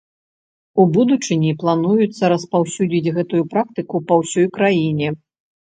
У будучыні плануецца распаўсюдзіць гэтую практыку па ўсёй краіне.